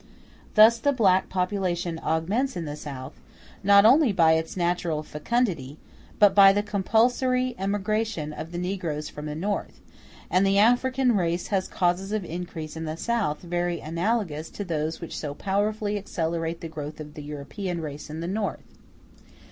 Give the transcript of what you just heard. Thus the black population augments in the South, not only by its natural fecundity, but by the compulsory emigration of the negroes from the North; and the African race has causes of increase in the South very analogous to those which so powerfully accelerate the growth of the European race in the North.